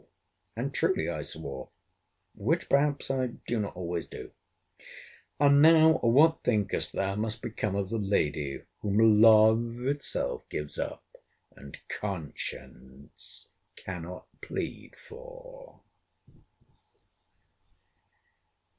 And truly I swore: which perhaps I do not always do. And now what thinkest thou must become of the lady, whom LOVE itself gives up, and CONSCIENCE cannot plead for?